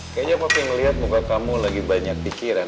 kayaknya poping melihat muka kamu lagi banyak pikiran